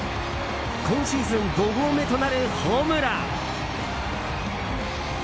今シーズン５号目となるホームラン。